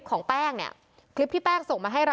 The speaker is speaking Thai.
คุณพ่อคุณว่าไง